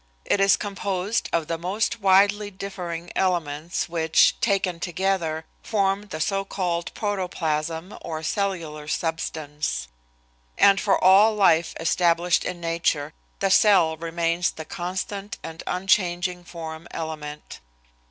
It is composed of the most widely differing elements which, taken together, form the so called protoplasm or cellular substance. And for all life established in nature the cell remains the constant and unchanging form element.